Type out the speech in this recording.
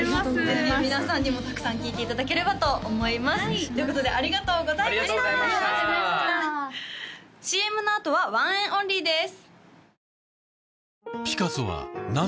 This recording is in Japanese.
ぜひ皆さんにもたくさん聴いていただければと思いますということでありがとうございましたありがとうございましたＣＭのあとはＯＮＥＮ’ＯＮＬＹです